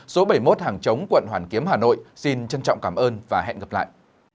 số bảy mươi một hàng chống quận hoàn kiếm hà nội xin trân trọng cảm ơn và hẹn gặp lại